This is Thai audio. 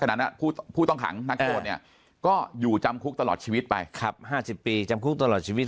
ถ้าลูกถ้าน่ะผู้ต้องหังนักโฆษณ์เนี่ยก็อยู่จำคุกตลอดชีวิตไปครับห้าสิบปีจำคุกตลอดชีวิต